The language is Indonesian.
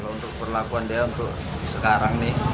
untuk perlakuan dia untuk sekarang nih